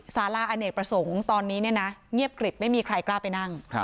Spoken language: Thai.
สาราอเนกประสงค์ตอนนี้เงียบกริบไม่มีใครกล้าไปนั่ง